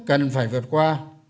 cần phải vượt qua